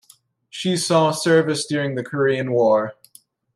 She saw service during the Korean War.